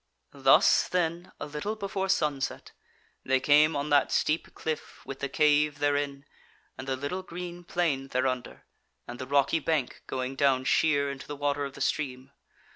Thus, then, a little before sunset, they came on that steep cliff with the cave therein, and the little green plain thereunder, and the rocky bank going down sheer into the water of the stream.